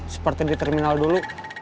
seperti di terminal dulu